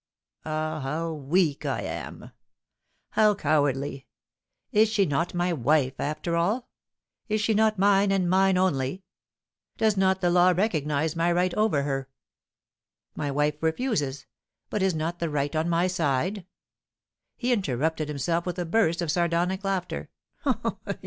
Ah, how weak I am! How cowardly! Is she not my wife, after all? Is she not mine and mine only? Does not the law recognise my right over her? My wife refuses, but is not the right on my side?" he interrupted himself, with a burst of sardonic laughter.